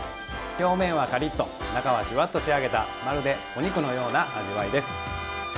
表面はカリッと中はジュワッと仕上げたまるでお肉のような味わいです。